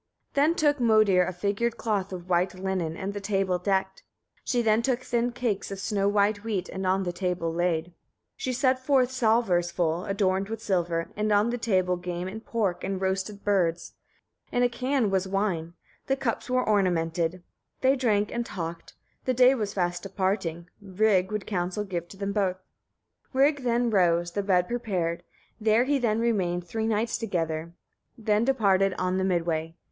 28. Then took Modir a figured cloth of white linen, and the table decked. She then took thin cakes of snow white wheat, and on the table laid. 29. She set forth salvers full, adorned with silver, on the table game and pork, and roasted birds. In a can was wine; the cups were ornamented. They drank and talked; the day was fast departing, Rig would counsel give to them both. 30. Rig then rose, the bed prepared; there he then remained three nights together, then departed on the mid way.